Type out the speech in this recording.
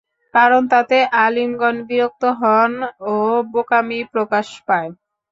কারণ, তাতে আলিমগণ বিরক্ত হন ও বোকামি প্রকাশ পায়।